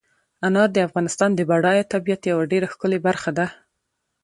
انار د افغانستان د بډایه طبیعت یوه ډېره ښکلې برخه ده.